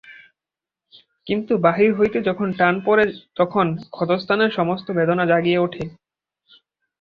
কিন্তু বাহির হইতে যখন টান পড়ে তখন ক্ষতস্থানের সমস্ত বেদনা জাগিয়া উঠে।